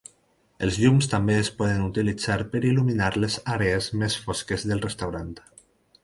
Els llums també es poden utilitzar per il·luminar les àrees més fosques del restaurant.